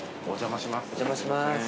お邪魔します。